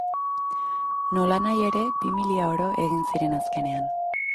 Nolanahi ere, bi milia oro egin ziren azkenean.